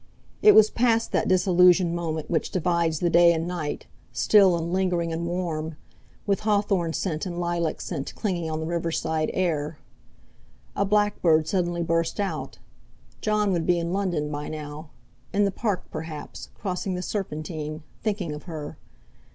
It was past that disillusioned moment which divides the day and night still and lingering and warm, with hawthorn scent and lilac scent clinging on the riverside air. A blackbird suddenly burst out. Jon would be in London by now; in the Park perhaps, crossing the Serpentine, thinking of her!